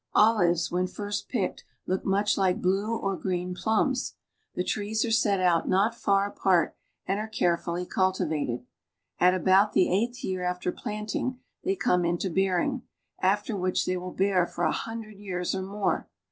Olives when first picked look THROUGH INTERIOR MOROCCO 23 much like blue or green plums. The trees are set out not far apart and are carefully cultivated. At about the eighth year after planting they come into bearing, after which they will bear for a hundred years or more.